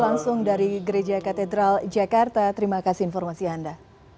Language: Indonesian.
langsung dari gereja katedral jakarta terima kasih informasi anda